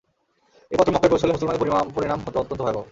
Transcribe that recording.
এ পত্র মক্কায় পৌঁছলে মুসলমানদের পরিণাম হত অত্যন্ত ভয়াবহ।